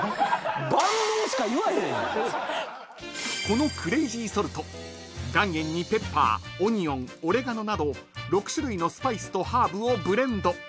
［このクレイジーソルト岩塩にペッパーオニオンオレガノなど６種類のスパイスとハーブをブレンド］